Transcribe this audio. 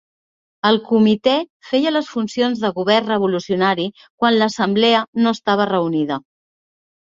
El comitè feia les funcions de govern revolucionari quan l'Assemblea no estava reunida.